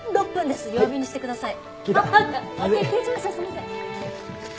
すみません。